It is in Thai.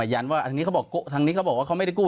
ยันว่าทางนี้เขาบอกทางนี้เขาบอกว่าเขาไม่ได้กู้